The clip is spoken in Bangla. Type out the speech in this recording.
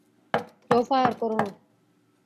কেউ ফায়ার করো না!